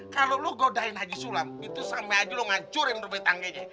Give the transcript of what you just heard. kalo lu godain haji sulam itu sampe aja lu ngacurin rupanya tangganya